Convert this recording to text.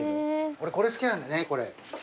俺これ好きなんだよね。